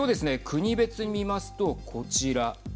国別に見ますと、こちら。